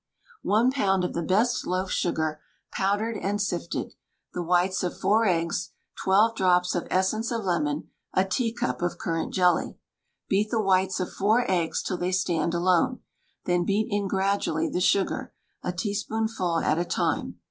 One pound of the best loaf sugar, powdered and sifted, the whites of four eggs, twelve drops of essence of lemon, a teacup of currant jelly. Beat the whites of four eggs till they stand alone. Then beat in gradually the sugar, a teaspoonful at a time.